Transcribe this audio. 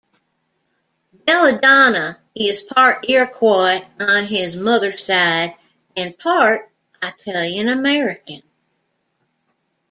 Belladonna is part Iroquois on his mother's side and part Italian-American.